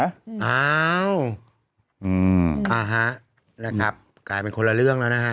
อ้าวฮะนะครับกลายเป็นคนละเรื่องแล้วนะฮะ